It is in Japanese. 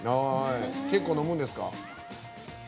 結構、飲むんですか？